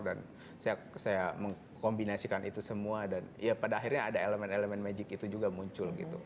dan saya mengkombinasikan itu semua dan ya pada akhirnya ada elemen elemen magic itu juga muncul gitu